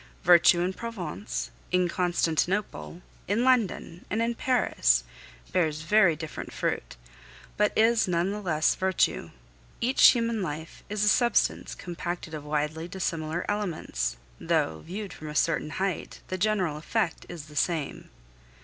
Virtue in Provence, in Constantinople, in London, and in Paris bears very different fruit, but is none the less virtue. Each human life is a substance compacted of widely dissimilar elements, though, viewed from a certain height, the general effect is the same.